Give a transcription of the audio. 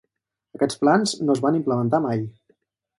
Aquests plans no es van implementar mai.